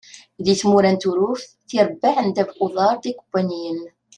Di tmura n Turuft, tirebbaɛ n ddabex n uḍar d ikebbaniyin.